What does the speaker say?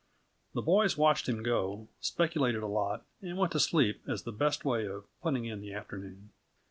The boys watched him go, speculated a lot, and went to sleep as the best way of putting in the afternoon.